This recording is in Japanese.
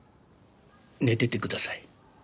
寝ててください。